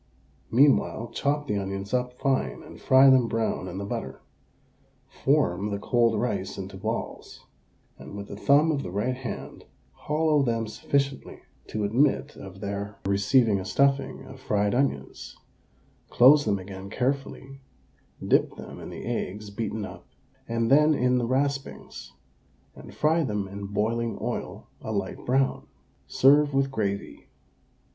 Meanwhile chop the onions up fine and fry them brown in the butter. Form the cold rice into balls, and with the thumb of the right hand hollow them sufficiently to admit of their receiving a stuffing of fried onions, close them again carefully, dip them in the eggs beaten up and then in the raspings, and fry them in boiling oil a light brown. Serve with gravy.